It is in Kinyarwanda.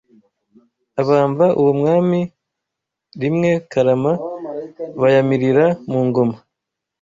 Abamba uwo Mwami I Karama bayamirira mu ngoma